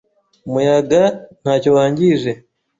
Umuyaga ntacyo wangije.